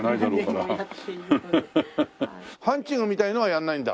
ハンチングみたいのはやらないんだ？